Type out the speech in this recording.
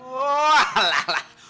alah alah alah